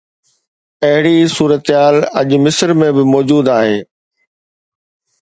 اهڙي ئي صورتحال اڄ مصر ۾ به موجود آهي.